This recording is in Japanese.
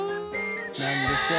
なんでしょう？